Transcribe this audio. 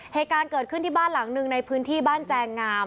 เหตุการณ์เกิดขึ้นที่บ้านหลังหนึ่งในพื้นที่บ้านแจงงาม